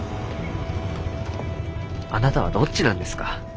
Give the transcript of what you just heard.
あなたはどっちなんですか？